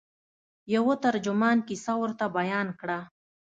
یوه ترجمان کیسه ورته بیان کړه.